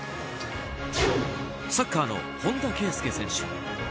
サッカーの本田圭佑選手。